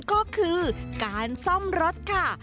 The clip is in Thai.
ก็คือการซ่อมรถค่ะ